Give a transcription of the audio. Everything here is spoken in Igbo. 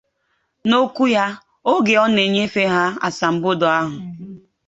N'okwu ya oge ọ na-enyefe ha asambodo ahụ